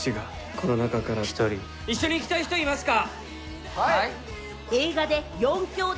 この中から１人、一緒に行きたい人いますか？